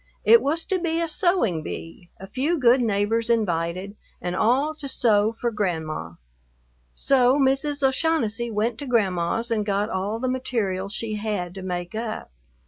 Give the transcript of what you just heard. It was to be a sewing bee, a few good neighbors invited, and all to sew for Grandma.... So Mrs. O'Shaughnessy went to Grandma's and got all the material she had to make up.